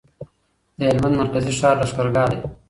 د هلمند مرکزي ښار لشکرګاه دی.